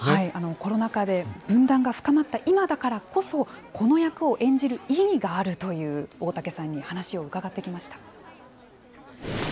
コロナ禍で分断が深まった今だからこそ、この役を演じる意義があるという大竹さんに話を伺ってきました。